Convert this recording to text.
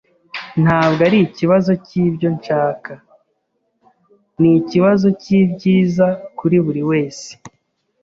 Ntabwo ari ikibazo cyibyo nshaka. Ni ikibazo cyibyiza kuri buri wese.